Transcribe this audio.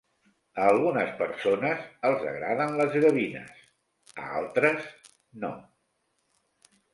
A algunes persones els agraden les gavines; a altres, no.